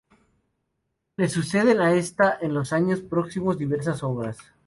Le suceden, a esta, en los años próximos diversas obras.